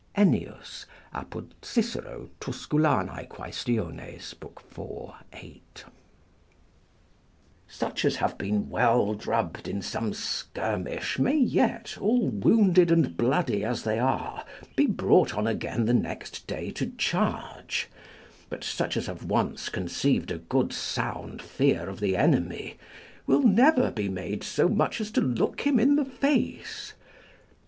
Ennius, ap. Cicero, Tusc., iv. 8.] Such as have been well rubbed in some skirmish, may yet, all wounded and bloody as they are, be brought on again the next day to charge; but such as have once conceived a good sound fear of the enemy, will never be made so much as to look him in the face.